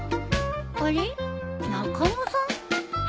あれ中野さん？